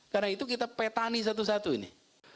karena itu kita petani satu satu ini